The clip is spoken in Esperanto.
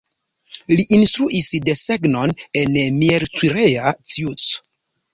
Li instruis desegnon en Miercurea Ciuc.